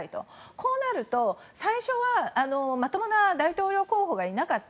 こうなると最初はまともな大統領候補がいなかった。